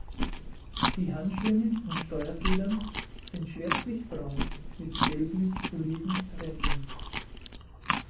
Die Handschwingen und Steuerfedern sind schwärzlich-braun mit gelblich-oliven Rändern.